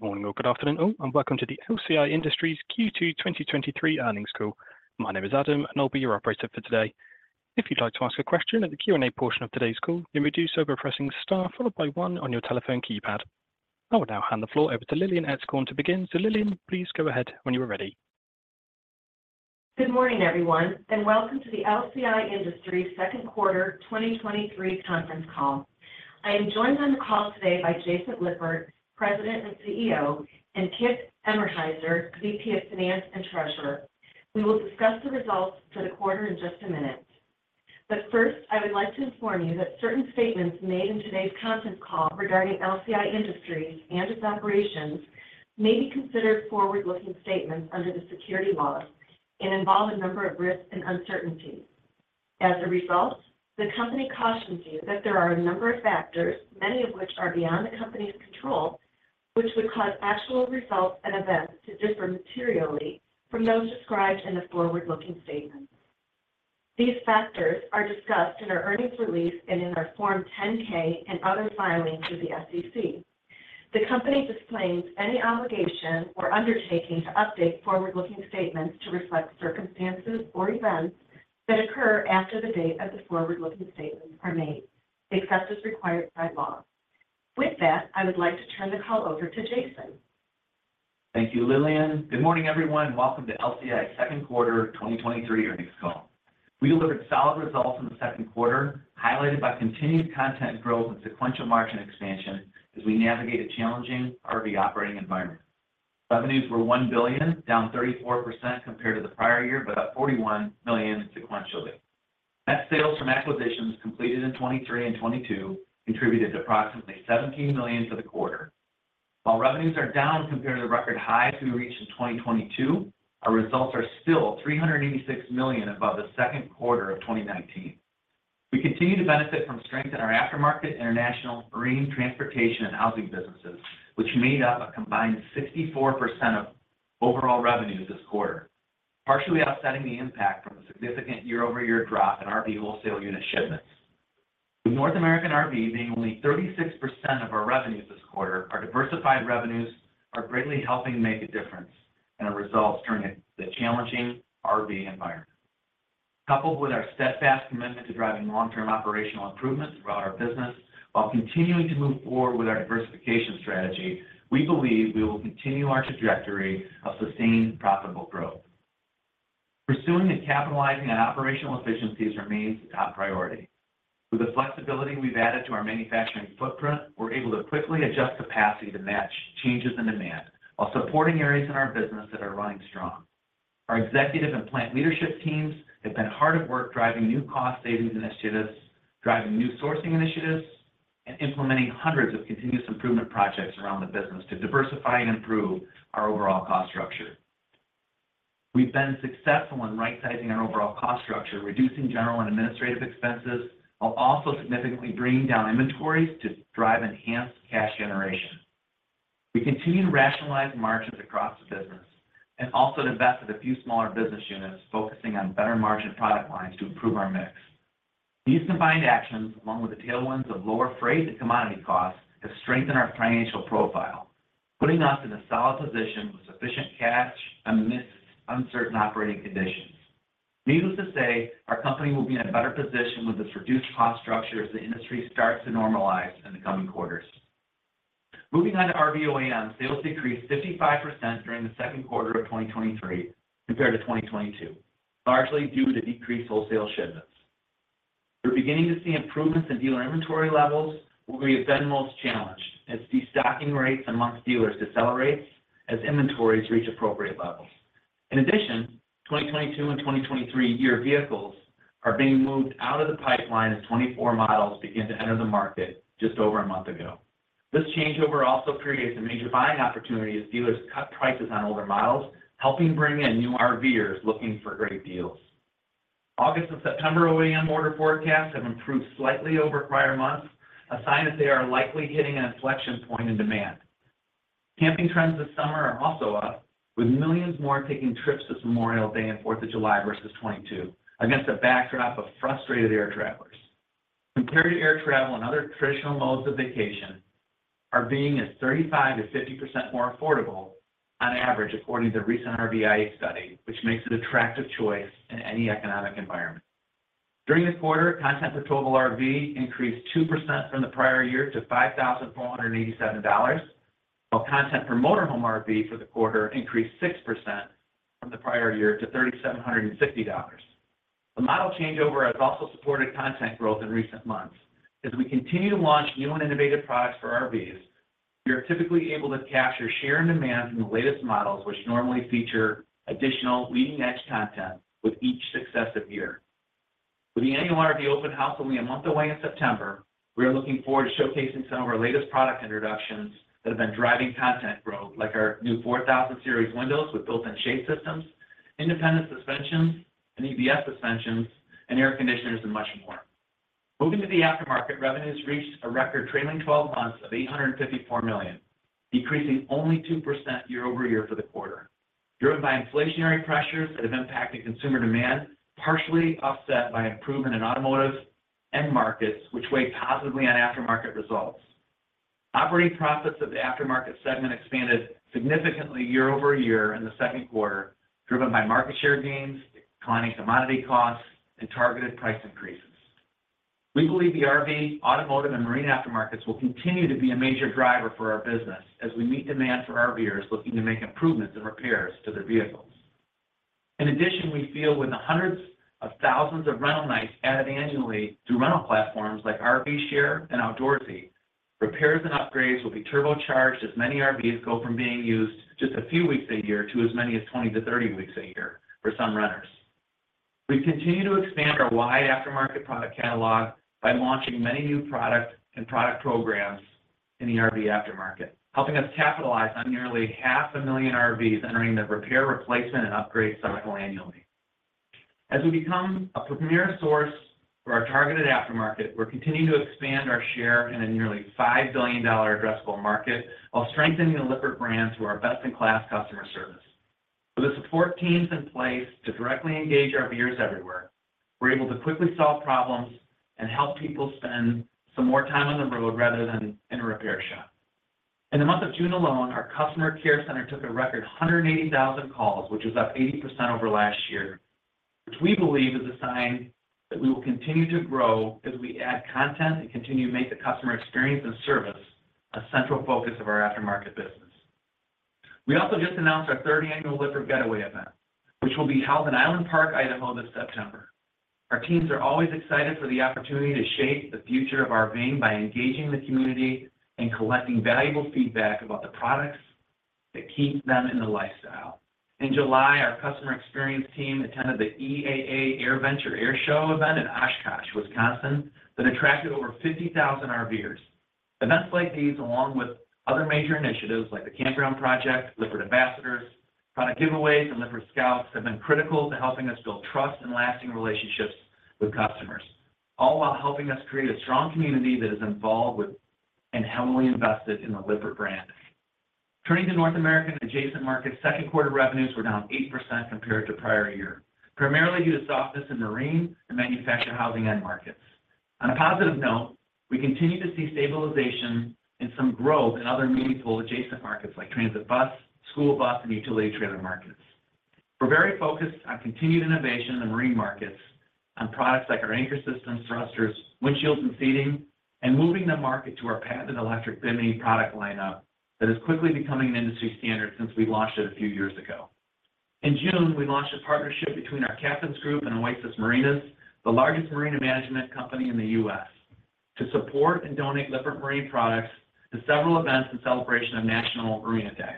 Good morning or good afternoon all, and welcome to the LCI Industries Q2 2023 Earnings Call. My name is Adam, and I'll be your operator for today. If you'd like to ask a question at the Q&A portion of today's call, you may do so by pressing Star followed by 1 on your telephone keypad. I will now hand the floor over to Lillian Etzkorn to begin. Lillian, please go ahead when you are ready. Good morning, everyone, and welcome to the LCI Industries second quarter 2023 conference call. I am joined on the call today by Jason Lippert, President and CEO, and Kip Emenhiser, VP of Finance and Treasurer. We will discuss the results for the quarter in just a minute. First, I would like to inform you that certain statements made in today's conference call regarding LCI Industries and its operations may be considered forward-looking statements under the security laws and involve a number of risks and uncertainties. As a result, the company cautions you that there are a number of factors, many of which are beyond the company's control, which would cause actual results and events to differ materially from those described in the forward-looking statements. These factors are discussed in our earnings release and in our Form 10-K and other filings to the SEC. The company disclaims any obligation or undertaking to update forward-looking statements to reflect circumstances or events that occur after the date of the forward-looking statements are made, except as required by law. With that, I would like to turn the call over to Jason. Thank you, Lillian. Good morning, everyone, and welcome to LCI's second quarter 2023 earnings call. We delivered solid results in the second quarter, highlighted by continued content growth and sequential margin expansion as we navigate a challenging RV operating environment. Revenues were1 billion, down 34% compared to the prior year, up 41 million sequentially. Net sales from acquisitions completed in 2023 and 2022 contributed approximately 17 million to the quarter. While revenues are down compared to the record highs we reached in 2022, our results are still $386 million above the second quarter of 2019. We continue to benefit from strength in our aftermarket international marine, transportation, and housing businesses, which made up a combined 64% of overall revenues this quarter, partially offsetting the impact from the significant year-over-year drop in RV wholesale unit shipments. With North American RV being only 36% of our revenues this quarter, our diversified revenues are greatly helping make a difference in our results during the challenging RV environment. Coupled with our steadfast commitment to driving long-term operational improvements throughout our business while continuing to move forward with our diversification strategy, we believe we will continue our trajectory of sustained, profitable growth. Pursuing and capitalizing on operational efficiencies remains a top priority. With the flexibility we've added to our manufacturing footprint, we're able to quickly adjust capacity to match changes in demand while supporting areas in our business that are running strong. Our executive and plant leadership teams have been hard at work driving new cost-saving initiatives, driving new sourcing initiatives, and implementing hundreds of continuous improvement projects around the business to diversify and improve our overall cost structure. We've been successful in right-sizing our overall cost structure, reducing general and administrative expenses, while also significantly bringing down inventories to drive enhanced cash generation. We continue to rationalize margins across the business and also divested a few smaller business units, focusing on better margin product lines to improve our mix. These combined actions, along with the tailwinds of lower freight and commodity costs, have strengthened our financial profile, putting us in a solid position with sufficient cash amidst ABS systems operating conditions. Needless to say, our company will be in a better position with this reduced cost structure as the industry starts to normalize in the coming quarters. Moving on to RV OEM, sales decreased 55% during the second quarter of 2023 compared to 2022, largely due to decreased wholesale shipments. We're beginning to see improvements in dealer inventory levels, where we have been most challenged as destocking rates amongst dealers decelerate as inventories reach appropriate levels. In addition, 2022 and 2023 year vehicles are being moved out of the pipeline as 2024 models begin to enter the market just over a month ago. This changeover also creates a major buying opportunity as dealers cut prices on older models, helping bring in new RVers looking for great deals. August and September OEM order forecasts have improved slightly over prior months, a sign that they are likely hitting an inflection point in demand. Camping trends this summer are also up, with millions more taking trips this Memorial Day and Fourth of July versus 2022, against a backdrop of frustrated air travelers. Compared to air travel and other traditional modes of vacation, are being as 35%-50% more affordable on average, according to a recent RVIA study, which makes it attractive choice in any economic environment. During the quarter, content for total RV increased 2% from the prior year to $5,487, while content for motorhome RV for the quarter increased 6% from the prior year to $3,760. The model changeover has also supported content growth in recent months. As we continue to launch new and innovative products for RVs, we are typically able to capture share and demand from the latest models, which normally feature additional leading-edge content with each successive year. With the annual RV Open House only a month away in September, we are looking forward to showcasing some of our latest product introductions that have been driving content growth, like our new 4000 Series Windows with built-in shade systems, independent suspensions, and ABS systems, and much more. Moving to the aftermarket, revenues reached a record trailing 12 months of 854 million, decreasing only 2% year-over-year for the quarter, driven by inflationary pressures that have impacted consumer demand, partially offset by improvement in automotive end markets, which weigh positively on aftermarket results. Operating profits of the aftermarket segment expanded significantly year-over-year in the second quarter, driven by market share gains, declining commodity costs, and targeted price increases. We believe the RV, automotive, and marine aftermarkets will continue to be a major driver for our business as we meet demand for RVers looking to make improvements and repairs to their vehicles. In addition, we feel with the hundreds of thousands of rental nights added annually through rental platforms like RVshare and Outdoorsy, repairs and upgrades will be turbocharged as many RVs go from being used just a few weeks a year to as many as 20 to 30 weeks a year for some renters. We continue to expand our wide aftermarket product catalog by launching many new product and product programs in the RV aftermarket, helping us capitalize on nearly 500,000 RVs entering the repair, replacement, and upgrade cycle annually. As we become a premier source for our targeted aftermarket, we're continuing to expand our share in a nearly $5 billion addressable market, while strengthening the Lippert brand through our best-in-class customer service. With the support teams in place to directly engage RVers everywhere, we're able to quickly solve problems and help people spend some more time on the road rather than in a repair shop. In the month of June alone, our customer care center took a record 180,000 calls, which is up 80% over last year, which we believe is a sign that we will continue to grow as we add content and continue to make the customer experience and service a central focus of our aftermarket business. We also just announced our third annual Lippert Getaway event, which will be held in Island Park, Idaho, this September. Our teams are always excited for the opportunity to shape the future of RVing by engaging the community and collecting valuable feedback about the products that keep them in the lifestyle. In July, our customer experience team attended the EAA AirVenture air show event in Oshkosh, Wisconsin, that attracted over 50,000 RVers. Events like these, along with other major initiatives like the Campground Project, Lippert Ambassadors, product giveaways, and Lippert Scouts, have been critical to helping us build trust and lasting relationships with customers, all while helping us create a strong community that is involved with and heavily invested in the Lippert brand. Turning to North American adjacent markets, second quarter revenues were down 8% compared to prior year, primarily due to softness in marine and manufactured housing end markets. On a positive note, we continue to see stabilization and some growth in other meaningful adjacent markets like transit bus, school bus, and utility trailer markets. We're very focused on continued innovation in the marine markets on products like our anchor systems, thrusters, windshields, and seating, and moving the market to our patented electric bimini product lineup that is quickly becoming an industry standard since we launched it a few years ago. In June, we launched a partnership between our Captains Group and Oasis Marinas, the largest marina management company in the US, to support and donate Lippert Marine products to several events in celebration of National Marina Day.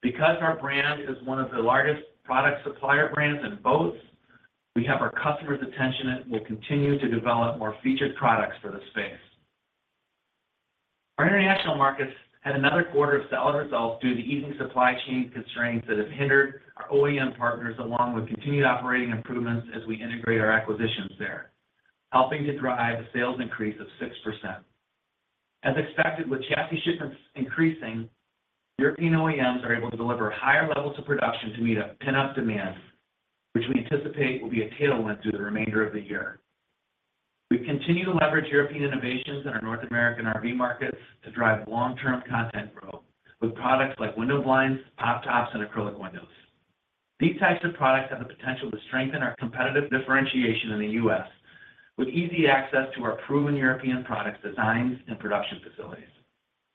Because our brand is one of the largest product supplier brands in boats, we have our customers' attention and will continue to develop more featured products for the space. Our international markets had another quarter of solid results due to easing supply chain constraints that have hindered our OEM partners, along with continued operating improvements as we integrate our acquisitions there, helping to drive a sales increase of 6%. As expected, with chassis shipments increasing, European OEMs are able to deliver higher levels of production to meet a pent-up demand, which we anticipate will be a tailwind through the remainder of the year. We continue to leverage European innovations in our North American RV markets to drive long-term content growth with products like window blinds, pop tops, and acrylic windows. These types of products have the potential to strengthen our competitive differentiation in the U.S. with easy access to our proven European product designs and production facilities.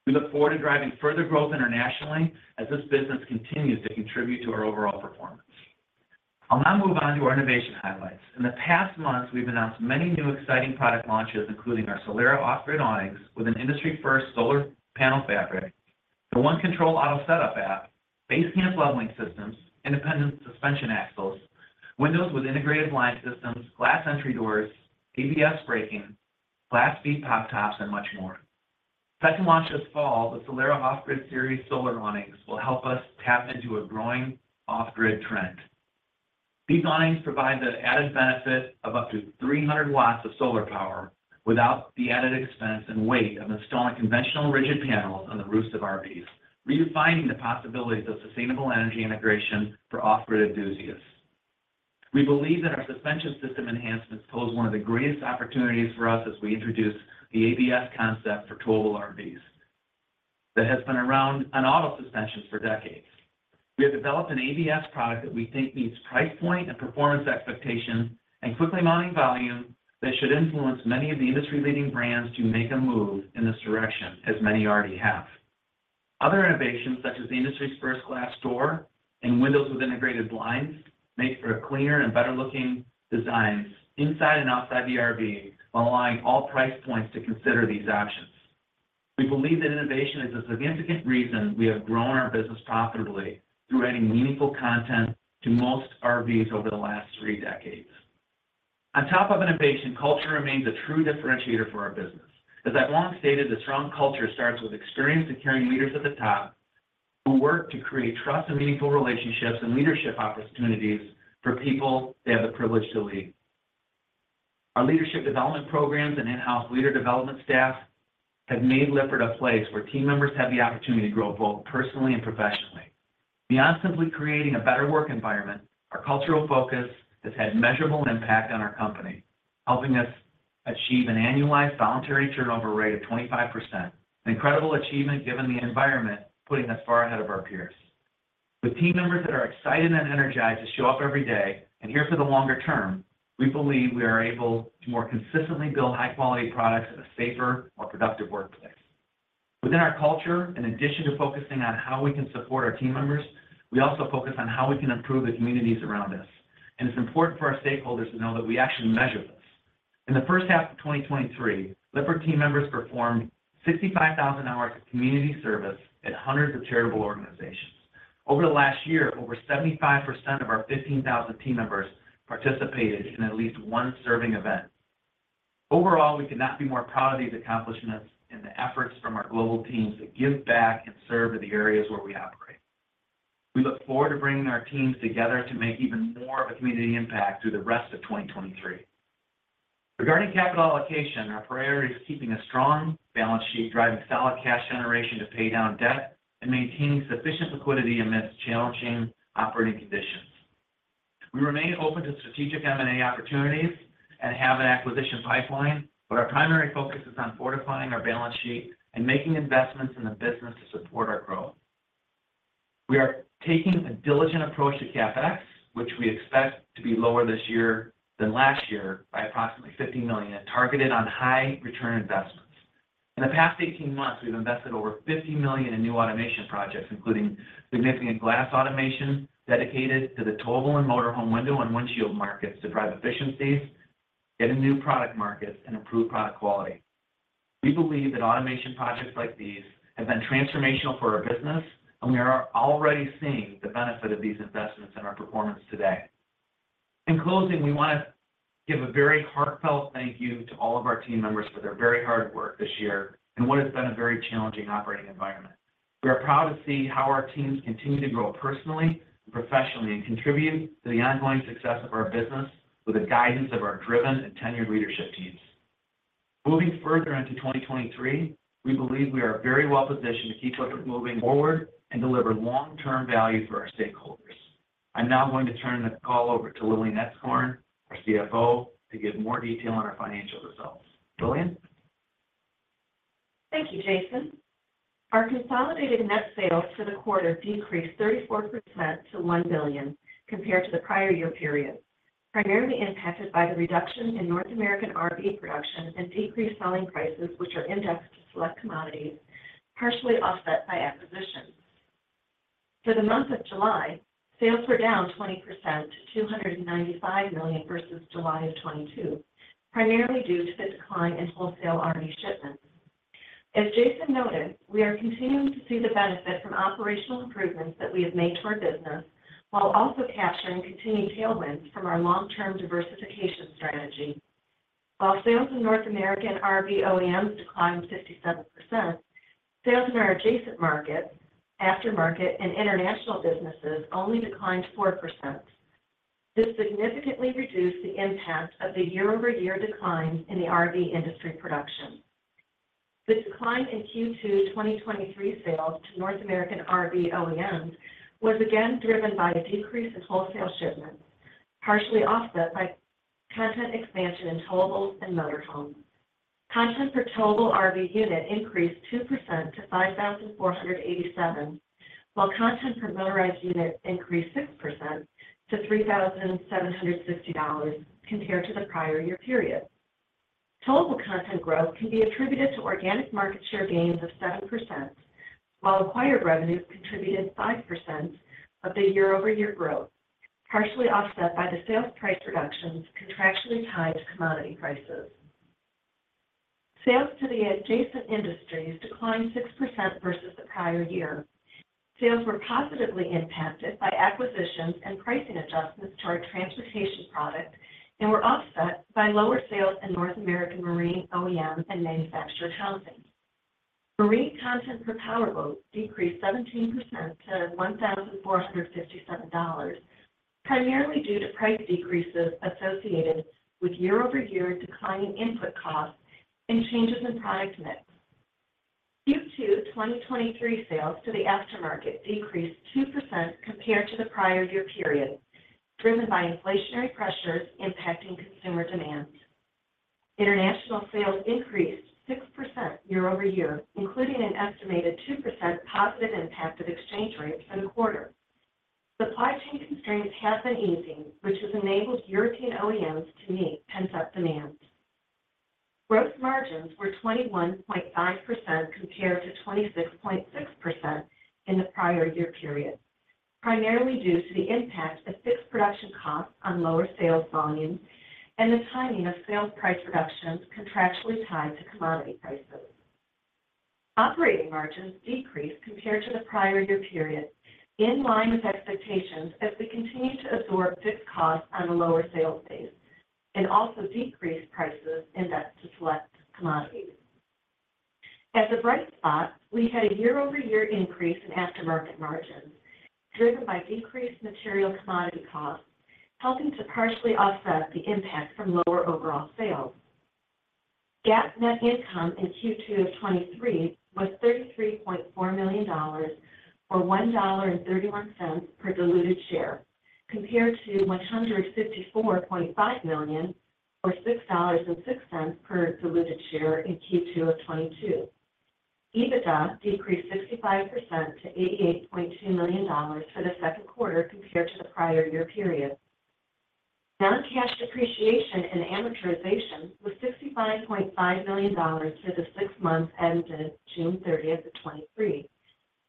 We look forward to driving further growth internationally as this business continues to contribute to our overall performance. I'll now move on to our innovation highlights. In the past months, we've announced many new exciting product launches, including our Solera off-grid awnings with an industry-first solar panel fabric, the OneControl Auto Setup app, BaseCamp leveling systems, independent suspension axles, windows with integrated blind systems, glass entry doors, ABS systems. Set to launch this fall, the Solera off-grid series solar awnings will help us tap into a growing off-grid trend. These awnings provide the added benefit of up to 300 watts of solar power without the added expense and weight of installing conventional rigid panels on the roofs of RVs, redefining the possibilities of sustainable energy integration for off-grid enthusiasts. We believe that our suspension system enhancements pose one of the greatest opportunities for us as we introduce the ABS concept for towable RVs. That has been around on auto suspensions for decades. We have developed an ABS product that we think meets price point and performance expectations and quickly mining volume that should influence many of the industry-leading brands to make a move in this direction, as many already have. Other innovations, such as the industry's first glass door and windows with integrated blinds, make for a cleaner and better-looking designs inside and outside the RV, allowing all price points to consider these options. We believe that innovation is a significant reason we have grown our business profitably through adding meaningful content to most RVs over the last three decades. On top of innovation, culture remains a true differentiator for our business. As I've long stated, a strong culture starts with experienced and caring leaders at the top, who work to create trust and meaningful relationships and leadership opportunities for people they have the privilege to lead. Our leadership development programs and in-house leader development staff have made Lippert a place where team members have the opportunity to grow both personally and professionally. Beyond simply creating a better work environment, our cultural focus has had measurable impact on our company, helping us achieve an annualized voluntary turnover rate of 25%. An incredible achievement given the environment, putting us far ahead of our peers. With team members that are excited and energized to show up every day and here for the longer term, we believe we are able to more consistently build high-quality products in a safer, more productive workplace. Within our culture, in addition to focusing on how we can support our team members, we also focus on how we can improve the communities around us. It's important for our stakeholders to know that we actually measure this. In the first half of 2023, Lippert team members performed 65,000 hours of community service at hundreds of charitable organizations. Over the last year, over 75% of our 15,000 team members participated in at least one serving event. Overall, we could not be more proud of these accomplishments and the efforts from our global teams to give back and serve in the areas where we operate. We look forward to bringing our teams together to make even more of a community impact through the rest of 2023. Regarding capital allocation, our priority is keeping a strong balance sheet, driving solid cash generation to pay down debt, and maintaining sufficient liquidity amidst challenging operating conditions. We remain open to strategic M&A opportunities and have an acquisition pipeline, our primary focus is on fortifying our balance sheet and making investments in the business to support our growth. We are taking a diligent approach to CapEx, which we expect to be lower this year than last year by approximately $50 million, targeted on high return investments. In the past 18 months, we've invested over $50 million in new automation projects, including significant glass automation dedicated to the towable and motor home window and windshield markets, to drive efficiencies, get in new product markets, and improve product quality. We believe that automation projects like these have been transformational for our business, and we are already seeing the benefit of these investments in our performance today. In closing, we want to give a very heartfelt thank you to all of our team members for their very hard work this year in what has been a very challenging operating environment. We are proud to see how our teams continue to grow personally and professionally, and contribute to the ongoing success of our business with the guidance of our driven and tenured leadership teams. Moving further into 2023, we believe we are very well positioned to keep moving forward and deliver long-term value for our stakeholders. I'm now going to turn the call over to Lillian Etzkorn, our CFO, to give more detail on our financial results. Lillian? Thank you, Jason. Our consolidated net sales for the quarter decreased 34% to 1 billion compared to the prior year period, primarily impacted by the reduction in North American RV production and decreased selling prices, which are indexed to select commodities, partially offset by acquisitions. For the month of July, sales were down 20% to $295 million versus July of 2022, primarily due to the decline in wholesale RV shipments. As Jason noted, we are continuing to see the benefit from operational improvements that we have made to our business, while also capturing continued tailwinds from our long-term diversification strategy. While sales in North American RV OEMs declined 57%, sales in our adjacent market, aftermarket and international businesses only declined 4%. This significantly reduced the impact of the year-over-year decline in the RV industry production. The decline in Q2 2023 sales to North American RV OEMs was again driven by a decrease in wholesale shipments, partially offset by content expansion in towables and motor homes. Content per towable RV unit increased 2% to 5,487, while content per motorized unit increased 6% to $3,760 compared to the prior year period. Towable content growth can be attributed to organic market share gains of 7%, while acquired revenues contributed 5% of the year-over-year growth, partially offset by the sales price reductions contractually tied to commodity prices. Sales to the adjacent industries declined 6% versus the prior year. Sales were positively impacted by acquisitions and pricing adjustments to our transportation products, and were offset by lower sales in North American marine, OEM, and manufactured housing. Marine content per powerboat decreased 17% to $1,457, primarily due to price decreases associated with year-over-year declining input costs and changes in product mix. Q2 2023 sales to the aftermarket decreased 2% compared to the prior year period, driven by inflationary pressures impacting consumer demand. International sales increased 6% year-over-year, including an estimated 2% positive impact of exchange rates for the quarter. Supply chain constraints have been easing, which has enabled European OEMs to meet pent-up demand. Gross margins were 21.5% compared to 26.6% in the prior year period, primarily due to the impact of fixed production costs on lower sales volume and the timing of sales price reductions contractually tied to commodity prices. Operating margins decreased compared to the prior year period, in line with expectations as we continue to absorb fixed costs on a lower sales base and also decreased prices indexed to select commodities. As a bright spot, we had a year-over-year increase in aftermarket margins, driven by increased material commodity costs, helping to partially offset the impact from lower overall sales. GAAP net income in Q2 of 2023 was $33.4 million, or $1.31 per diluted share, compared to 154.5 million, or $6.06 per diluted share in Q2 of 2022. EBITDA decreased 65% to $88.2 million for the second quarter compared to the prior year period. Non-cash depreciation and amortization was $65.5 million for the six months ended June 30th, 2023,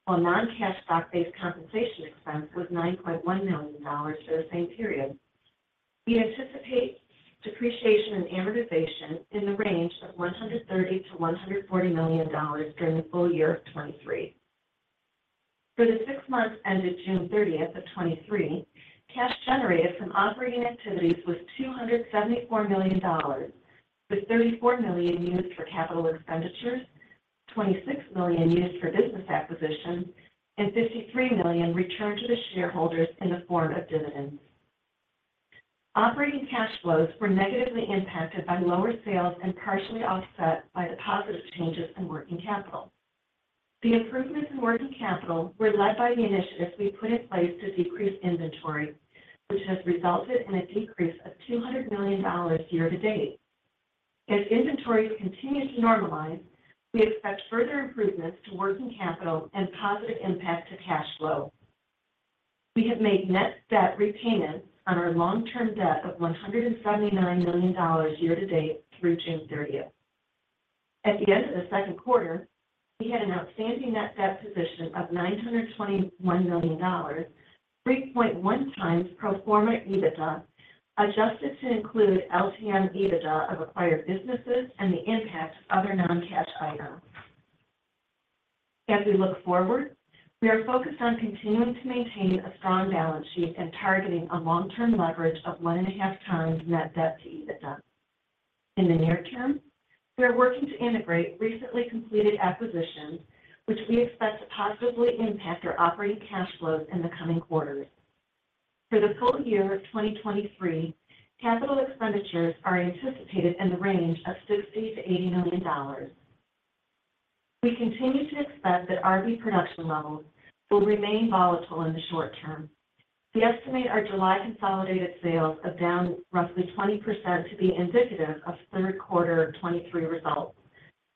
while non-cash stock-based compensation expense was $9.1 million for the same period. We anticipate depreciation and amortization in the range of $130 million-$140 million during the full year of 2023. For the 6 months ended June 30th, 2023, cash generated from operating activities was $274 million, with $34 million used for capital expenditures, $26 million used for business acquisitions, and $53 million returned to the shareholders in the form of dividends. Operating cash flows were negatively impacted by lower sales partially offset by the positive changes in working capital. The improvements in working capital were led by the initiatives we put in place to decrease inventory, which has resulted in a decrease of $200 million year to date. As inventories continue to normalize, we expect further improvements to working capital and positive impact to cash flow. We have made net debt repayments on our long-term debt of $179 million year to date through June 30th. At the end of the second quarter, we had an outstanding net debt position of $921 million, 3.1x pro forma EBITDA, adjusted to include LTM EBITDA of acquired businesses and the impact of other non-cash items. As we look forward, we are focused on continuing to maintain a strong balance sheet and targeting a long-term leverage of 1.5x net debt to EBITDA. In the near term, we are working to integrate recently completed acquisitions, which we expect to positively impact our operating cash flows in the coming quarters. For the full year of 2023, capital expenditures are anticipated in the range of $60 million-$80 million. We continue to expect that RV production levels will remain volatile in the short term. We estimate our July consolidated sales of down roughly 20% to be indicative of third quarter of 2023 results,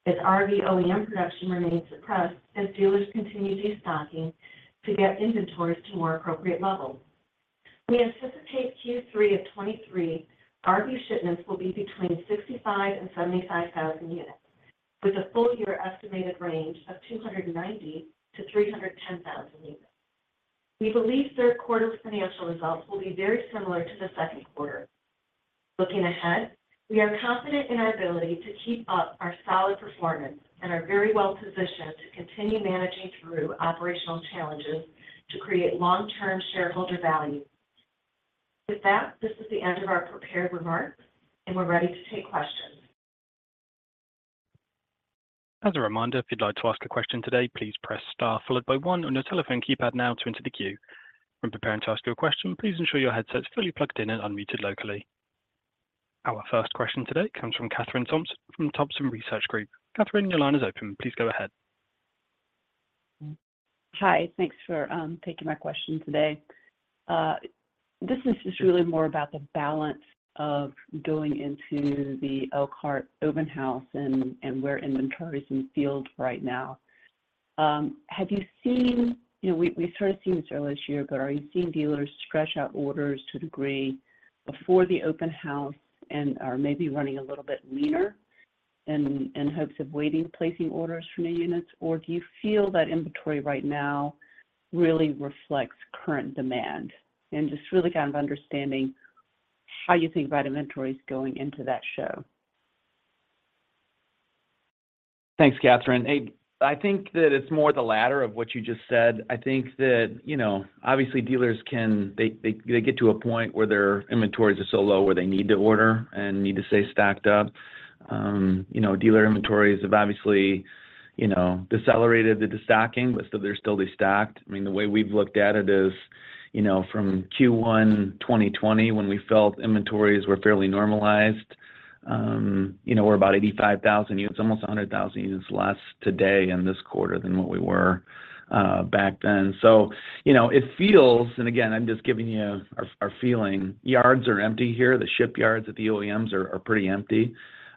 as RV OEM production remains suppressed as dealers continue destocking to get inventories to more appropriate levels. We anticipate Q3 of 2023 RV shipments will be between 65,000 and 75,000 units, with a full year estimated range of 290,000-310,000 units. We believe third quarter financial results will be very similar to the second quarter. Looking ahead, we are confident in our ability to keep up our solid performance and are very well positioned to continue managing through operational challenges to create long-term shareholder value. With that, this is the end of our prepared remarks, and we're ready to take questions. As a reminder, if you'd like to ask a question today, please press star followed by one on your telephone keypad now to enter the queue. When preparing to ask your question, please ensure your headset is fully plugged in and unmuted locally. Our first question today comes from Kathryn Thompson from the Thompson Research Group. Kathryn, your line is open. Please go ahead. Hi, thanks for taking my question today. This is just really more about the balance of going into the Elkhart Open House and where inventory is in the field right now. Have you seen, you know, we sort of seen this earlier this year, but are you seeing dealers stretch out orders to a degree before the Open House and are maybe running a little bit leaner in hopes of waiting, placing orders for new units? Or do you feel that inventory right now really reflects current demand? Just really kind of understanding how you think about inventory is going into that show. Thanks, Kathryn. Hey, I think that it's more the latter of what you just said. I think that, you know, obviously, dealers get to a point where their inventories are so low, where they need to order and need to stay stacked up. You know, dealer inventories have obviously, you know, decelerated the destocking, they're still destocked. I mean, the way we've looked at it is, you know, from Q1 2020, when we felt inventories were fairly normalized, you know, we're about 85,000 units, almost 100,000 units less today in this quarter than what we were back then. It feels, and again, I'm just giving you our, our feeling, yards are empty here. The shipyards at the OEMs are pretty empty.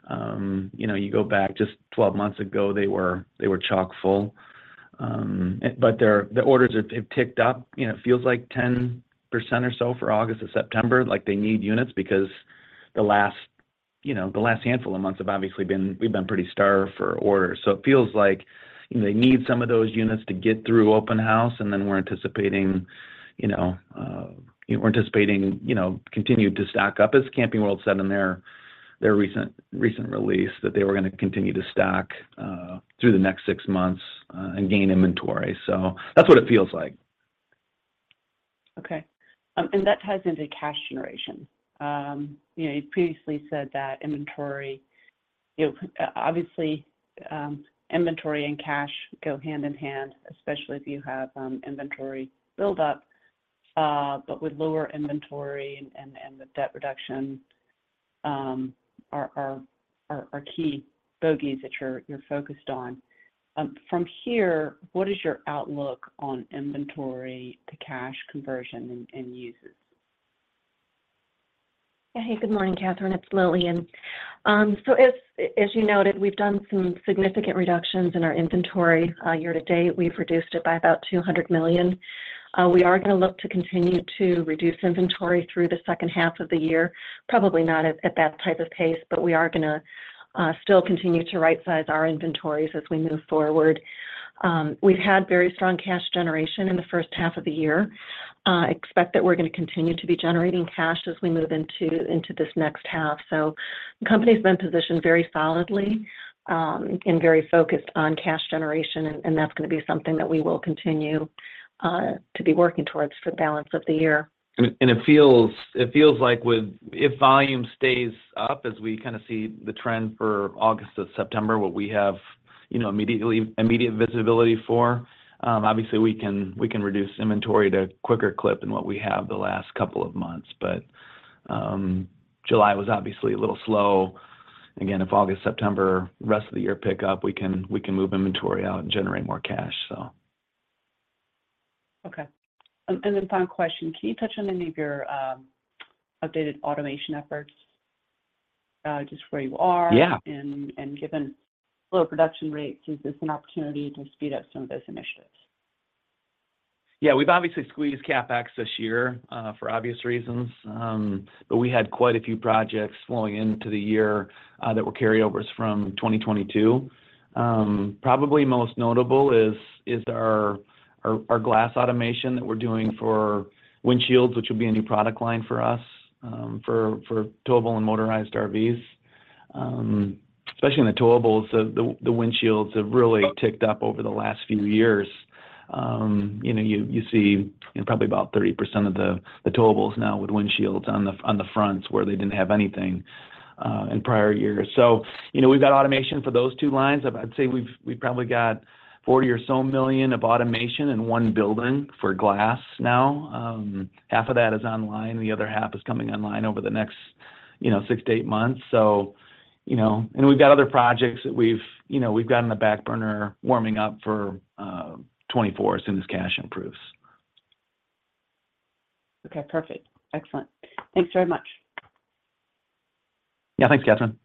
You know, you go back just 12 months ago, they were, they were chock-full. Their, the orders have, have ticked up. You know, it feels like 10% or so for August and September. Like, they need units because the last, you know, the last handful of months have obviously been. We've been pretty starved for orders. It feels like, you know, they need some of those units to get through Open House, and then we're anticipating, you know, we're anticipating, you know, continued to stock up, as Camping World said in their, their recent, recent release, that they were going to continue to stock through the next 6 months and gain inventory. That's what it feels like. Okay. That ties into cash generation. You know, you previously said that inventory, you know, obviously, inventory and cash go hand in hand, especially if you have inventory build-up, but with lower inventory and the debt reduction, are key bogeys that you're, you're focused on. From here, what is your outlook on inventory to cash conversion and, and uses? Yeah. Hey, good morning, Kathryn. It's Lillian. As, you noted, we've done some significant reductions in our inventory. Year-to-date, we've reduced it by about $200 million. We are gonna look to continue to reduce inventory through the second half of the year. Probably not at that type of pace, but we are gonna still continue to rightsize our inventories as we move forward. We've had very strong cash generation in the first half of the year. Expect that we're gonna continue to be generating cash as we move into this next half. The company's been positioned very solidly and very focused on cash generation, and that's going to be something that we will continue to be working towards for the balance of the year. It feels, it feels like if volume stays up as we kind of see the trend for August to September, what we have, you know, immediately, immediate visibility for, obviously we can, we can reduce inventory at a quicker clip than what we have the last couple of months. July was obviously a little slow. Again, if August, September, rest of the year pick up, we can, move inventory out and generate more cash. Okay. Then final question: Can you touch on any of your updated automation efforts, just where you are? Yeah. And given lower production rates, is this an opportunity to speed up some of those initiatives? Yeah. We've obviously squeezed CapEx this year, for obvious reasons. We had quite a few projects flowing into the year, that were carryovers from 2022. Probably most notable is, is our, our, our glass automation that we're doing for windshields, which will be a new product line for us, for, for towable and motorized RVs. Especially in the towables, the, the, the windshields have really ticked up over the last few years. You know, you, you see in probably about 30% of the, the towables now with windshields on the, on the fronts, where they didn't have anything, in prior years. So, you know, we've got automation for those two lines. I'd say we've, we've probably got $40 million of automation in one building for glass now. Half of that is online, the other half is coming online over the next, you know, six to eight months. We've got other projects that we've, you know, we've got on the back burner, warming up for 2024 as soon as cash improves. Okay, perfect. Excellent. Thanks very much. Yeah. Thanks, Catherine.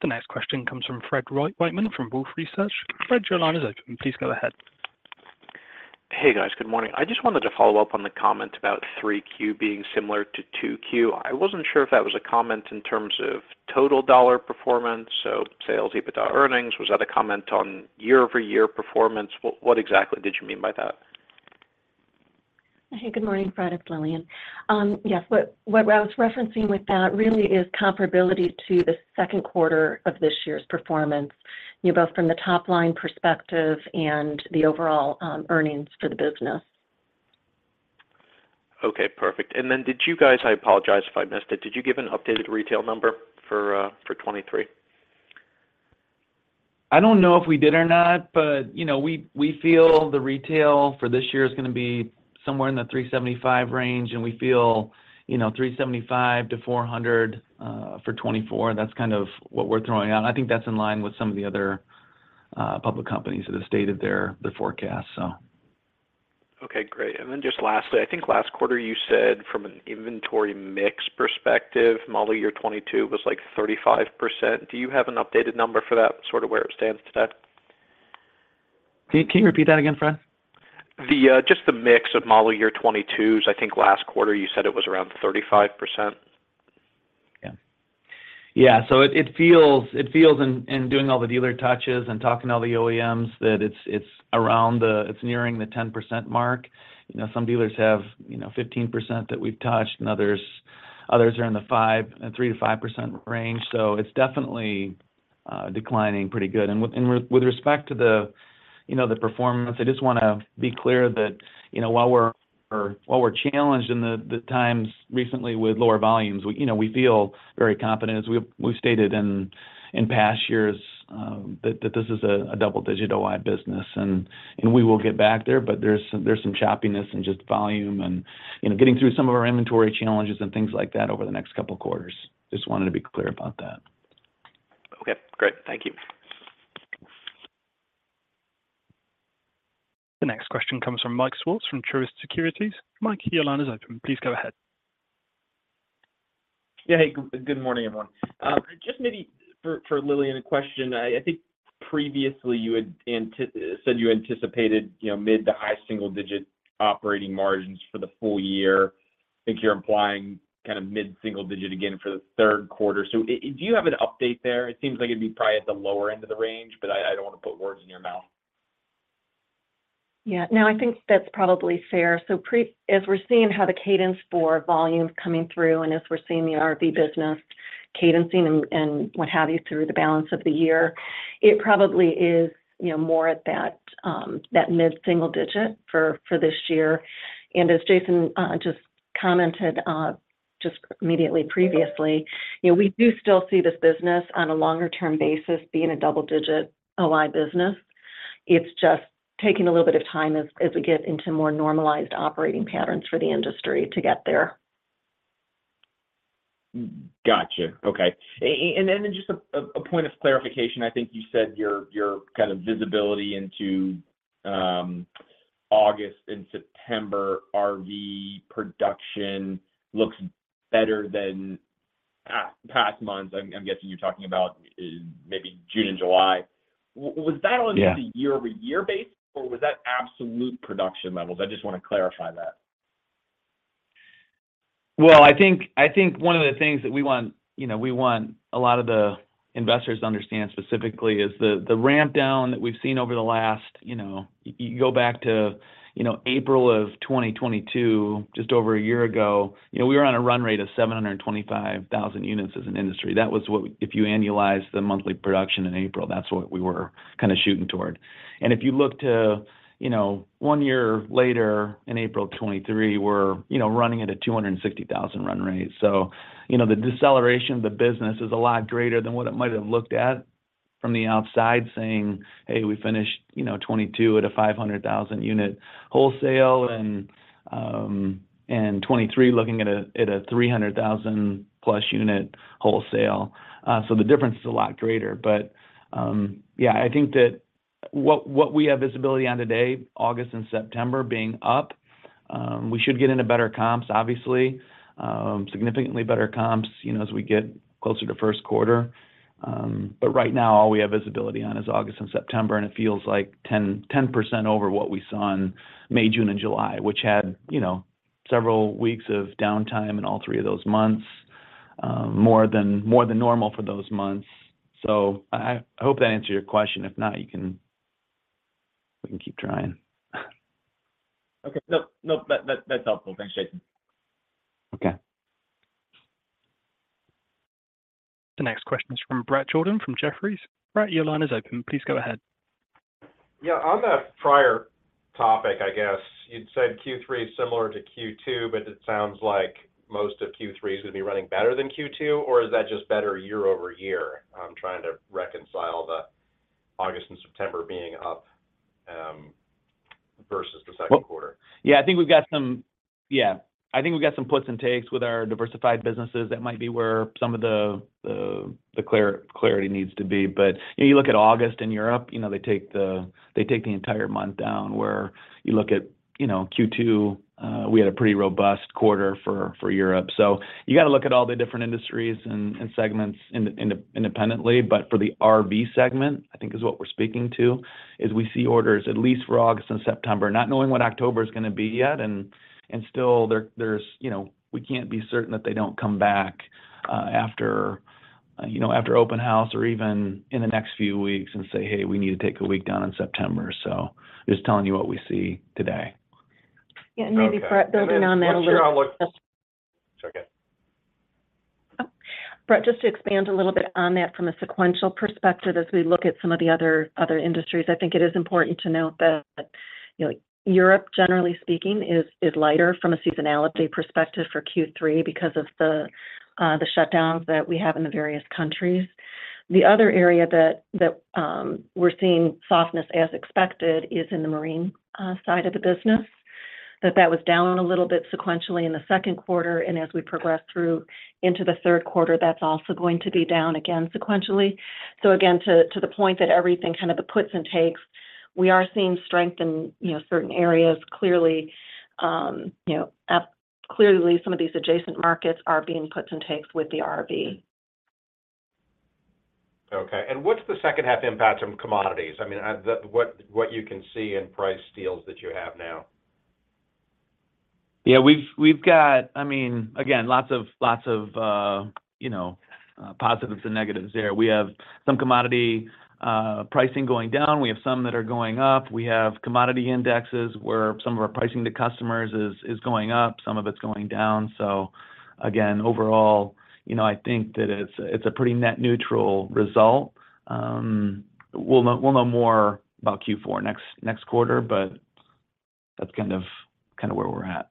The next question comes from Fred Wightman from Wolfe Research. Fred, your line is open. Please go ahead. Hey, guys. Good morning. I just wanted to follow up on the comment about 3Q being similar to 2Q. I wasn't sure if that was a comment in terms of total dollar performance, so sales, EBITDA, earnings. Was that a comment on year-over-year performance? What, what exactly did you mean by that? Hey, good morning, Fred. It's Lillian. Yes, what, what I was referencing with that really is comparability to the second quarter of this year's performance, you know, both from the top line perspective and the overall earnings for the business. Okay, perfect. Then did you guys... I apologize if I missed it. Did you give an updated retail number for, for 2023? I don't know if we did or not, you know, we, we feel the retail for this year is gonna be somewhere in the 375 range, and we feel, you know, 375-400 for 2024. That's kind of what we're throwing out. I think that's in line with some of the other public companies that have stated their, the forecast. Okay, great. Then just lastly, I think last quarter you said from an inventory mix perspective, model year 22 was, like, 35%. Do you have an updated number for that, sort of where it stands today? Can, can you repeat that again, Fred? The, just the mix of model year 22s. I think last quarter you said it was around 35%. Yeah. Yeah, it, it feels, it feels in, in doing all the dealer touches and talking to all the OEMs, that it's nearing the 10% mark. You know, some dealers have, you know, 15% that we've touched, and others, others are in the 5, 3%-5% range. It's definitely declining pretty good. With, and with, with respect to the, you know, the performance, I just want to be clear that, you know, while we're, while we're challenged in the, the times recently with lower volumes, we, you know, we feel very confident, as we've, we've stated in, in past years, that, that this is a, a double-digit OI business. We will get back there, but there's some, there's some choppiness in just volume and, you know, getting through some of our inventory challenges and things like that over the next couple quarters. Just wanted to be clear about that. Okay, great. Thank you. The next question comes from Mike Swartz, from Truist Securities. Mike, your line is open. Please go ahead. Yeah, hey, good morning, everyone. Just maybe for, for Lillian, a question: I, I think previously you had said you anticipated, you know, mid to high single-digit operating margins for the full year. I think you're implying kind of mid-single-digit again for the third quarter. Do you have an update there? It seems like it'd be probably at the lower end of the range, but I, I don't want to put words in your mouth. Yeah. No, I think that's probably fair. As we're seeing how the cadence for volume coming through and as we're seeing the RV cadencing and, and what have you through the balance of the year, it probably is, you know, more at that mid-single digit for this year. As Jason just commented just immediately previously, you know, we do still see this business on a longer-term basis being a double-digit OI business. It's just taking a little bit of time as, as we get into more normalized operating patterns for the industry to get there. Gotcha. Okay. And then just a, a point of clarification, I think you said your, your kind of visibility into August and September RV production looks better than past months. I'm guessing you're talking about maybe June and July. Was that on- Yeah a year-over-year base, or was that absolute production levels? I just want to clarify that. Well, I think, I think one of the things that we want, you know, we want a lot of the investors to understand specifically is the, the ramp down that we've seen over the last, you know, you go back to, you know, April of 2022, just over a year ago, you know, we were on a run rate of 725,000 units as an industry. That was what-- if you annualize the monthly production in April, that's what we were kind of shooting toward. If you look to, you know, one year later in April 2023, we're, you know, running at a 260,000 run rate. You know, the deceleration of the business is a lot greater than what it might have looked at from the outside, saying, "Hey, we finished, you know, 2022 at a 500,000 unit wholesale, and 2023, looking at a, at a 300,000+ unit wholesale." The difference is a lot greater. Yeah, I think that what, what we have visibility on today, August and September being up, we should get into better comps, obviously, significantly better comps, you know, as we get closer to first quarter. Right now, all we have visibility on is August and September, and it feels like 10, 10% over what we saw in May, June, and July, which had, you know, several weeks of downtime in all three of those months, more than, more than normal for those months. I, I hope that answered your question. If not, we can keep trying. Okay. Nope, nope. That, that, that's helpful. Thanks, Jason. Okay. The next question is from Bret Jordan, from Jefferies. Brett, your line is open. Please go ahead. Yeah, on that prior topic, I guess you'd said Q3 is similar to Q2, but it sounds like most of Q3 is going to be running better than Q2, or is that just better year-over-year? I'm trying to reconcile the August and September being up, versus the second quarter. Yeah, I think we've got some puts and takes with our diversified businesses. That might be where some of the clarity needs to be. You look at August and Europe, you know, they take the entire month down, where you look at, you know, Q2, we had a pretty robust quarter for Europe. You got to look at all the different industries and segments independently. For the RV segment, I think is what we're speaking to, is we see orders at least for August and September, not knowing what October is going to be yet. Still there, there's, you know, we can't be certain that they don't come back, after, you know, after Open House or even in the next few weeks and say, "Hey, we need to take a week down in September." Just telling you what we see today. Yeah, maybe, Bret, building on that a little- Sorry, go ahead. Oh. Brett, just to expand a little bit on that from a sequential perspective, as we look at some of the other, other industries, I think it is important to note that, you know, Europe, generally speaking, is, is lighter from a seasonality perspective for Q3 because of the shutdowns that we have in the various countries. The other area that, that we're seeing softness, as expected, is in the marine side of the business. That, that was down a little bit sequentially in the second quarter, and as we progress through into the third quarter, that's also going to be down again sequentially. Again, to, to the point that everything kind of the puts and takes, we are seeing strength in, you know, certain areas. Clearly, you know, clearly, some of these adjacent markets are being puts and takes with the RV. Okay. What's the second half impact from commodities? I mean, what you can see in price deals that you have now? Yeah, we've, we've got, I mean, again, lots of, lots of, you know, positives and negatives there. We have some commodity, pricing going down. We have some that are going up. We have commodity indexes, where some of our pricing to customers is, is going up, some of it's going down. Again, overall, you know, I think that it's a, it's a pretty net neutral result. We'll know, we'll know more about Q4 next, next quarter, but that's kind of, kind of where we're at.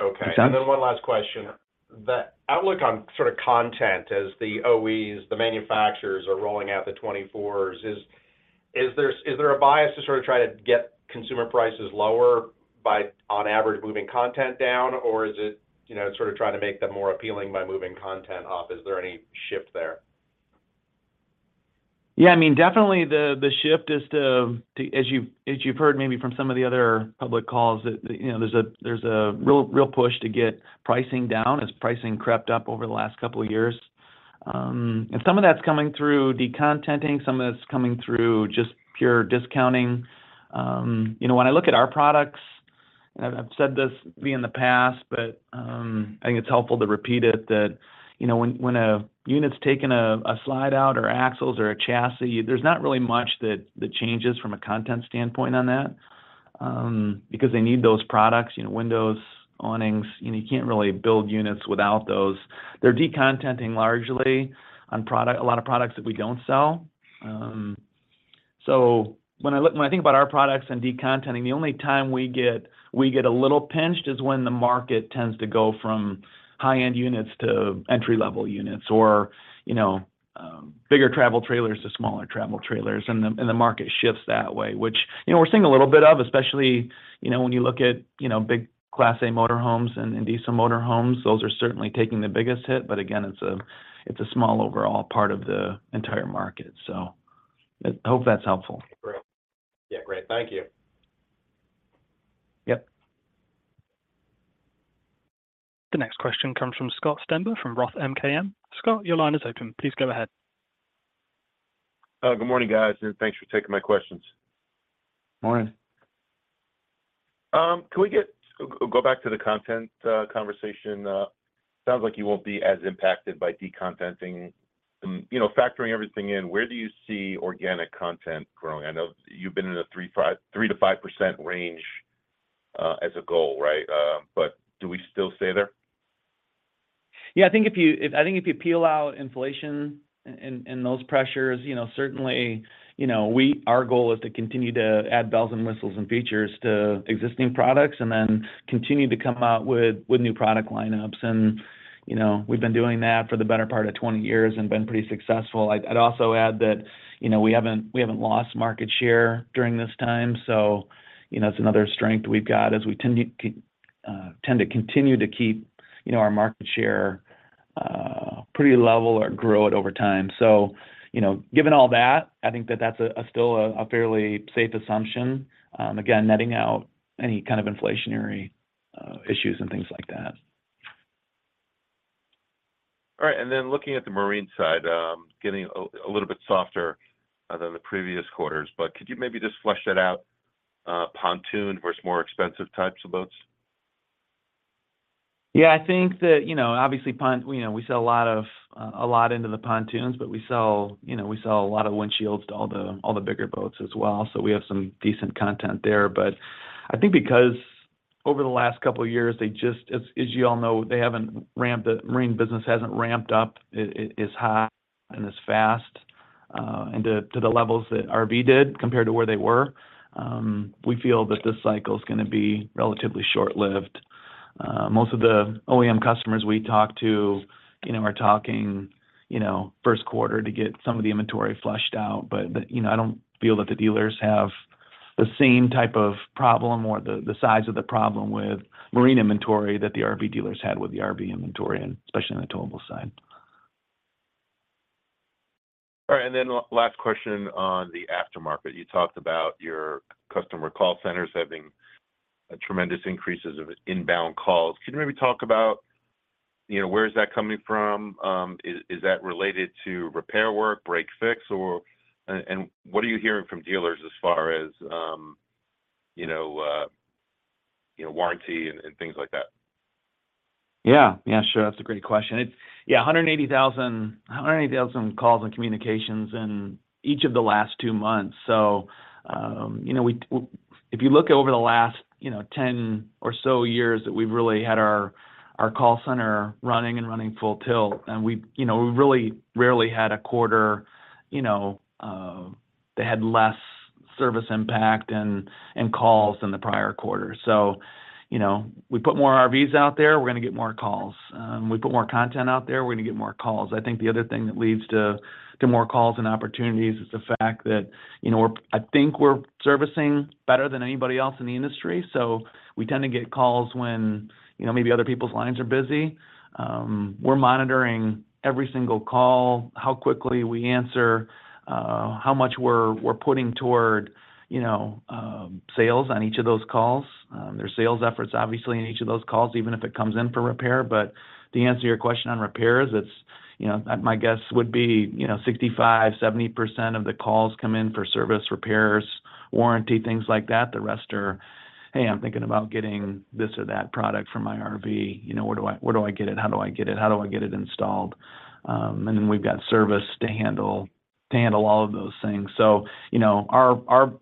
Okay. Does that- One last question: the outlook on sort of content as the OEs, the manufacturers are rolling out the 2024s, is there a bias to sort of try to get consumer prices lower by, on average, moving content down? Or is it, you know, sort of trying to make them more appealing by moving content up? Is there any shift there? Yeah, I mean, definitely the, the shift is to, to, as you've, as you've heard maybe from some of the other public calls, that, you know, there's a, there's a real, real push to get pricing down as pricing crept up over the last couple of years. Some of that's coming through decontenting, some of that's coming through just pure discounting. You know, when I look at our products, and I've said this, me, in the past, but, I think it's helpful to repeat it, that, you know, when, when a unit's taking a, a slide out, or axles, or a chassis, there's not really much that, that changes from a content standpoint on that. Because they need those products, you know, windows, awnings, you know, you can't really build units without those. They're decontenting largely on product, a lot of products that we don't sell. When I think about our products and decontenting, the only time we get, we get a little pinched is when the market tends to go from high-end units to entry-level units or, you know, bigger travel trailers to smaller travel trailers, and the market shifts that way. Which, you know, we're seeing a little bit of, especially, you know, when you look at, you know, big Class A motor homes and diesel motor homes, those are certainly taking the biggest hit. Again, it's a, it's a small overall part of the entire market. I hope that's helpful. Great. Yeah, great, thank you. Yep. The next question comes from Scott Stember from Roth MKM. Scott, your line is open. Please go ahead. Good morning, guys, and thanks for taking my questions. Morning. Can we go, go back to the content conversation? Sounds like you won't be as impacted by decontenting. You know, factoring everything in, where do you see organic content growing? I know you've been in a 3%-5% range as a goal, right? Do we still stay there? Yeah, I think if you, if I think if you peel out inflation and, and, and those pressures, you know, certainly, you know, our goal is to continue to add bells and whistles and features to existing products, and then continue to come out with, with new product lineups. You know, we've been doing that for the better part of 20 years and been pretty successful. I'd, I'd also add that, you know, we haven't, we haven't lost market share during this time, so, you know, it's another strength we've got as we tend to tend to continue to keep, you know, our market share, pretty level or grow it over time. You know, given all that, I think that that's a, a still a, a fairly safe assumption, again, netting out any kind of inflationary issues and things like that. All right. Then looking at the marine side, getting a little bit softer than the previous quarters, but could you maybe just flesh that out, pontoon versus more expensive types of boats? Yeah, I think that, you know, obviously, you know, we sell a lot of, a lot into the pontoons, but we sell, you know, we sell a lot of windshields to all the, all the bigger boats as well, so we have some decent content there. I think because over the last couple of years, they just, as, as you all know, they haven't ramped the marine business hasn't ramped up as high and as fast and to the levels that RV did compared to where they were. We feel that this cycle's gonna be relatively short-lived. Most of the OEM customers we talk to, you know, are talking, you know, first quarter to get some of the inventory flushed out. The, you know, I don't feel that the dealers have the same type of problem or the, the size of the problem with marine inventory that the RV dealers had with the RV inventory, and especially on the towable side. All right, and then last question on the aftermarket. You talked about your customer call centers having a tremendous increases of inbound calls. Can you maybe talk about, you know, where is that coming from? Is that related to repair work, break, fix, or? What are you hearing from dealers as far as, you know, you know, warranty and, and things like that? Yeah. Yeah, sure. That's a great question. It's, yeah, 180,000, 180,000 calls and communications in each of the last two months. You know, we, if you look over the last, you know, 10 or so years, that we've really had our, our call center running and running full tilt, and we, you know, we really rarely had a quarter, you know, that had less service impact and, and calls than the prior quarter. You know, we put more RVs out there, we're gonna get more calls. We put more content out there, we're gonna get more calls. I think the other thing that leads to, to more calls and opportunities is the fact that, you know, I think we're servicing better than anybody else in the industry, so we tend to get calls when, you know, maybe other people's lines are busy. We're monitoring every single call, how quickly we answer, how much we're, we're putting toward, you know, sales on each of those calls. There are sales efforts, obviously, in each of those calls, even if it comes in for repair. To answer your question on repairs, it's, you know, my guess would be, you know, 65%-70% of the calls come in for service, repairs, warranty, things like that. The rest are, "Hey, I'm thinking about getting this or that product from my RV. You know, where do I, where do I get it? How do I get it? How do I get it installed?" Then we've got service to handle, to handle all of those things. You know,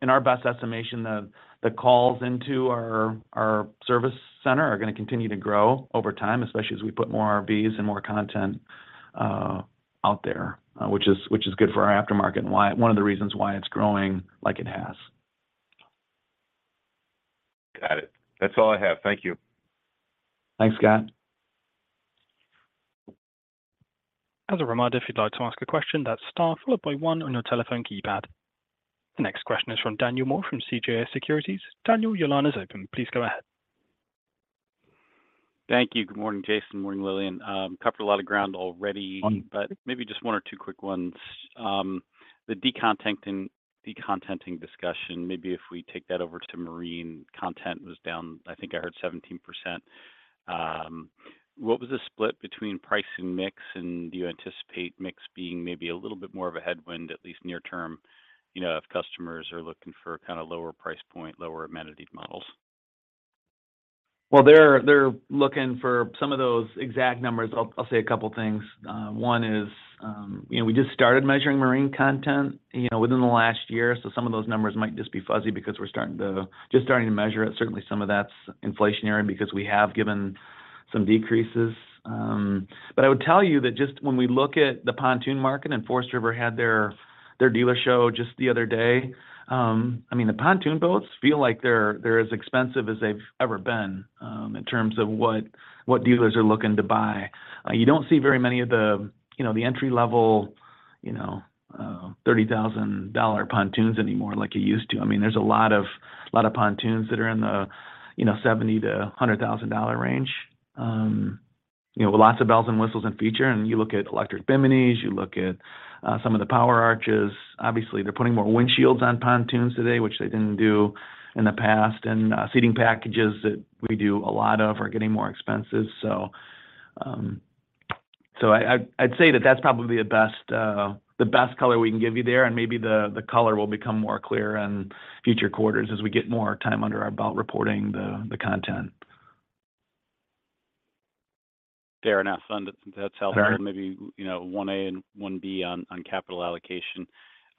in our best estimation, the calls into our service center are gonna continue to grow over time, especially as we put more RVs and more content out there. Which is, which is good for our aftermarket, one of the reasons why it's growing like it has. Got it. That's all I have. Thank you. Thanks, Scott. As a reminder, if you'd like to ask a question, that's star followed by one on your telephone keypad. The next question is from Daniel Moore, from CJS Securities. Daniel, your line is open. Please go ahead. Thank you. Good morning, Jason. Morning, Lillian. covered a lot of ground already- Morning Maybe just 1 or 2 quick ones. The decontenting, decontenting discussion, maybe if we take that over to marine, content was down, I think I heard 17%. What was the split between price and mix, and do you anticipate mix being maybe a little bit more of a headwind, at least near term, you know, if customers are looking for kinda lower price point, lower amenity models? Well, they're, they're looking for some of those exact numbers. I'll, I'll say a couple things. One is, you know, we just started measuring marine content, you know, within the last year, so some of those numbers might just be fuzzy because we're starting to-- just starting to measure it. Certainly, some of that's inflationary because we have given some decreases. But I would tell you that just when we look at the pontoon market, and Forest River had their, their dealer show just the other day, I mean, the pontoon boats feel like they're, they're as expensive as they've ever been, in terms of what, what dealers are looking to buy. You don't see very many of the, you know, the entry-level, you know, $30,000 pontoons anymore like you used to. I mean, there's a lot of, a lot of pontoons that are in the, you know, $70,000-$100,000 range. You know, with lots of bells and whistles and feature. You look at electric biminis, you look at some of the power arches. Obviously, they're putting more windshields on pontoons today, which they didn't do in the past. Seating packages that we do a lot of are getting more expensive. I, I, I'd say that that's probably the best, the best color we can give you there, and maybe the, the color will become more clear in future quarters as we get more time under our belt reporting the, the content. Daniel, that's, that's helpful. Daniel? Maybe, you know, one A and one B on, on capital allocation.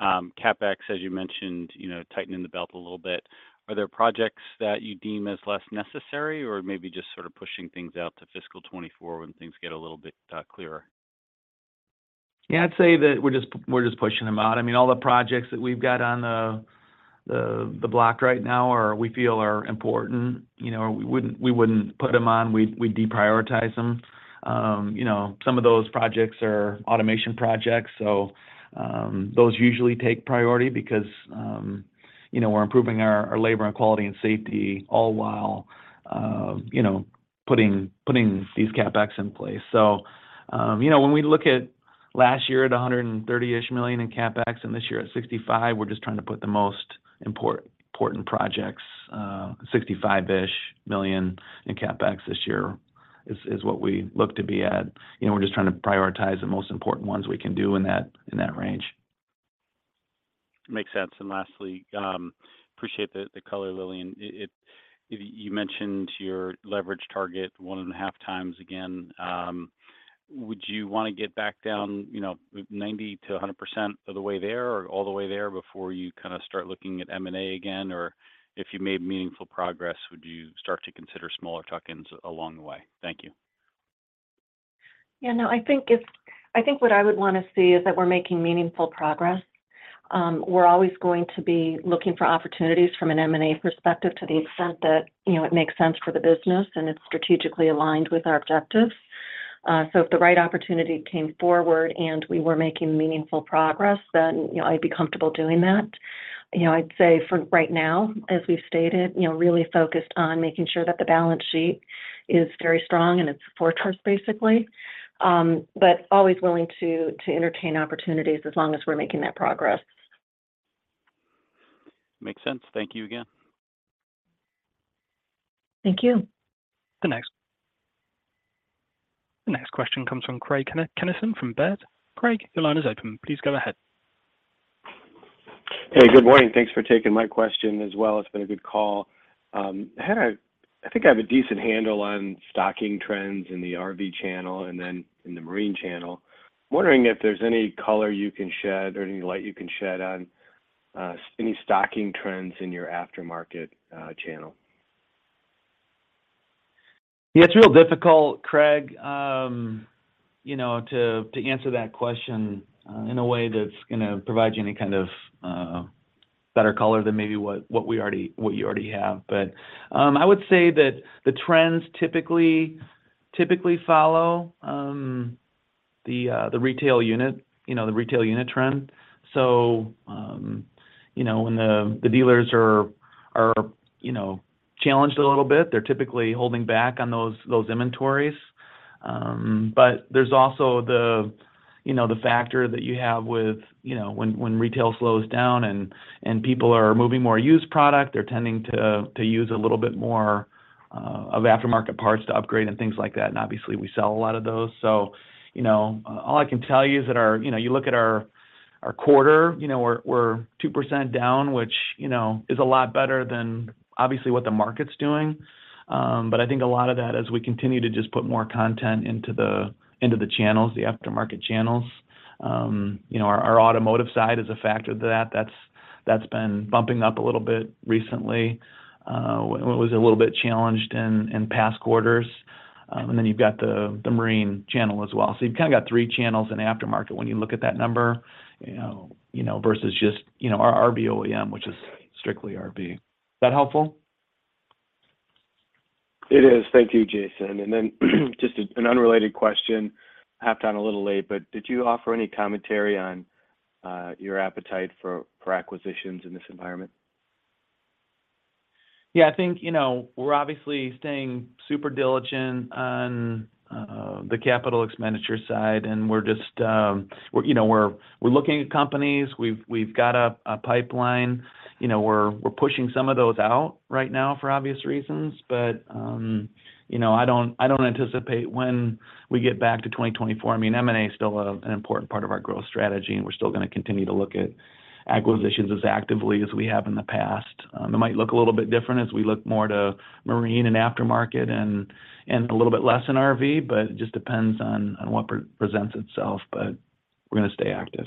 CapEx, as you mentioned, you know, tightening the belt a little bit. Are there projects that you deem as less necessary, or maybe just sort of pushing things out to fiscal 2024 when things get a little bit clearer? Yeah, I'd say that we're just, we're just pushing them out. I mean, all the projects that we've got on the, the, the block right now are, we feel are important. You know, we wouldn't, we wouldn't put them on. We'd, we'd deprioritize them. You know, some of those projects are automation projects, so, those usually take priority because, you know, we're improving our, our labor and quality and safety, all while, you know, putting, putting these CapEx in place. You know, when we look at last year at $130-ish million in CapEx, and this year at $65, we're just trying to put the most important, important projects. Sixty-five-ish million in CapEx this year is, is what we look to be at. You know, we're just trying to prioritize the most important ones we can do in that, in that range. Makes sense. Lastly, appreciate the color, Lillian. You mentioned your leverage target 1.5 times again. Would you want to get back down, you know, 90%-100% of the way there or all the way there before you kind of start looking at M&A again? If you made meaningful progress, would you start to consider smaller tuck-ins along the way? Thank you. Yeah, no, I think it's I think what I would want to see is that we're making meaningful progress. We're always going to be looking for opportunities from an M&A perspective to the extent that, you know, it makes sense for the business and it's strategically aligned with our objectives. If the right opportunity came forward and we were making meaningful progress, then, you know, I'd be comfortable doing that. You know, I'd say for right now, as we've stated, you know, really focused on making sure that the balance sheet is very strong and it supports us, basically. Always willing to, to entertain opportunities as long as we're making that progress. Makes sense. Thank you again. Thank you. The next, the next question comes from Craig Kennison from Baird. Craig, your line is open. Please go ahead. Hey, good morning. Thanks for taking my question as well. It's been a good call. I think I have a decent handle on stocking trends in the RV channel and then in the marine channel. Wondering if there's any color you can shed or any light you can shed on any stocking trends in your aftermarket channel? Yeah, it's real difficult, Craig, you know, to, to answer that question, in a way that's gonna provide you any kind of better color than maybe what, what we already- what you already have. I would say that the trends typically, typically follow the, the retail unit, you know, the retail unit trend. You know, when the, the dealers are, are, you know, challenged a little bit, they're typically holding back on those, those inventories. There's also the, you know, the factor that you have with, you know, when, when retail slows down and, and people are moving more used product, they're tending to, to use a little bit more of aftermarket parts to upgrade and things like that. Obviously, we sell a lot of those. You know, all I can tell you is that our... You know, you look at our, our quarter, you know, we're, we're 2% down, which, you know, is a lot better than obviously what the market's doing. I think a lot of that, as we continue to just put more content into the, into the channels, the aftermarket channels, you know, our, our automotive side is a factor to that. That's, that's been bumping up a little bit recently. It was a little bit challenged in, in past quarters. Then you've got the, the marine channel as well. You've kind of got three channels in aftermarket when you look at that number, you know, you know, versus just, you know, our RV OEM, which is strictly RV. Is that helpful? It is. Thank you, Jason. Just an unrelated question, hopped on a little late, but did you offer any commentary on your appetite for acquisitions in this environment? Yeah, I think, you know, we're obviously staying super diligent on the CapEx side, and we're just, you know, looking at companies. We've got a pipeline. You know, we're pushing some of those out right now for obvious reasons, but, you know, I don't, I don't anticipate when we get back to 2024. I mean, M&A is still an important part of our growth strategy. We're still gonna continue to look at acquisitions as actively as we have in the past. It might look a little bit different as we look more to marine and aftermarket and a little bit less in RV. It just depends on what presents itself. We're gonna stay active.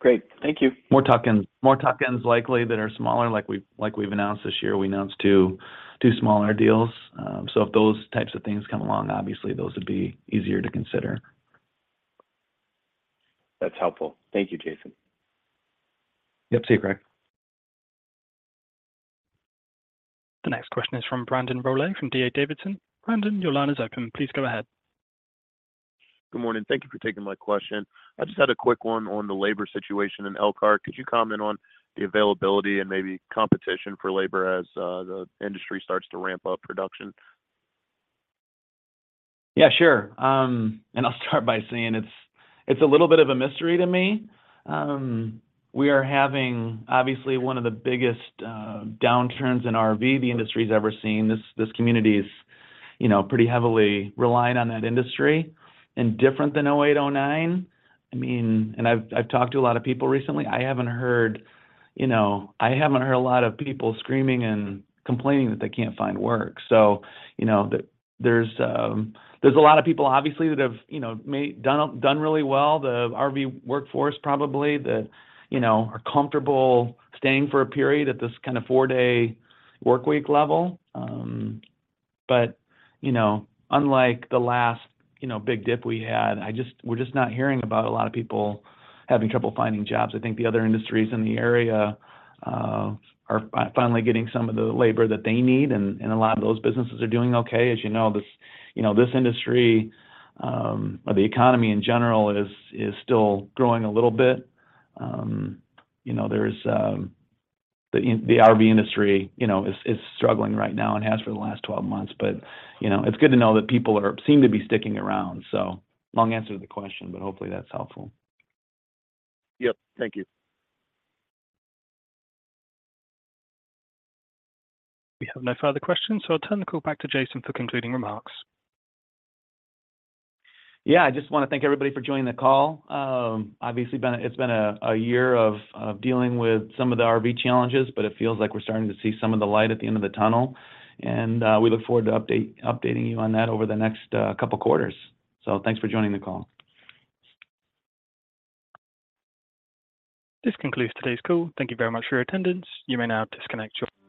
Great. Thank you. More tuck-ins, more tuck-ins likely that are smaller like we've, like we've announced this year. We announced 2, 2 smaller deals. If those types of things come along, obviously, those would be easier to consider. That's helpful. Thank you, Jason. Yep. See you, Craig. The next question is from from Daniel Moore D.A. Davidson. Daniel Moore, your line is open. Please go ahead. Good morning. Thank you for taking my question. I just had a quick one on the labor situation in Elkhart. Could you comment on the availability and maybe competition for labor as the industry starts to ramp up production? Yeah, sure. I'll start by saying it's, it's a little bit of a mystery to me. We are having obviously one of the biggest downturns in RV the industry's ever seen. This, this community is, you know, pretty heavily relying on that industry. Different than 2008, 2009, I mean, and I've, I've talked to a lot of people recently, I haven't heard, you know, I haven't heard a lot of people screaming and complaining that they can't find work. You know, there, there's a lot of people, obviously, that have, you know, done, done really well. The RV workforce probably that, you know, are comfortable staying for a period at this kind of four-day workweek level. You know, unlike the last, you know, big dip we had, we're just not hearing about a lot of people having trouble finding jobs. I think the other industries in the area are finally getting some of the labor that they need, and a lot of those businesses are doing okay. You know, this, you know, this industry, or the economy in general, is still growing a little bit. You know, there's the RV industry, you know, is struggling right now and has for the last 12 months. You know, it's good to know that people seem to be sticking around. Long answer to the question, hopefully that's helpful. Yep. Thank you. We have no further questions, so I'll turn the call back to Jason for concluding remarks. Yeah. I just want to thank everybody for joining the call. Obviously, it's been a year of dealing with some of the RV challenges, but it feels like we're starting to see some of the light at the end of the tunnel. We look forward to updating you on that over the next couple quarters. Thanks for joining the call. This concludes today's call. Thank you very much for your attendance. You may now disconnect your-